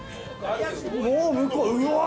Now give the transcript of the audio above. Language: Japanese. もう向こううわー！